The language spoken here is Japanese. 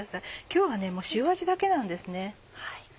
今日はもう塩味だけなんですね。